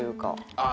ああ！